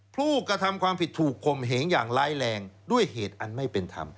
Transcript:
ผู้กระทำความผิดถูกคมเหงอย่างร้ายแรงด้วยเหตุอันไม่เป็นธรรม